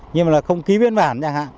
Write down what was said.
nhưng mà không ký viên bản